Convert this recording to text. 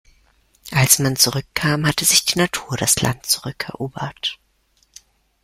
Als man zurückkam, hatte sich die Natur das Land zurückerobert.